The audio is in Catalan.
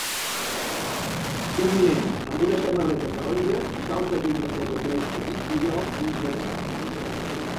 Un nen amb una samarreta taronja salta d'un reposapeus petit i groc dins de casa